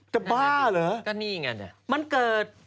จะบ้าเหรอปราหลาดมันเกิด